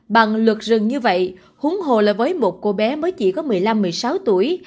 bằng luật rừng như vậy húng hồ lời với một cô bé mới chỉ có một mươi năm một mươi sáu tuổi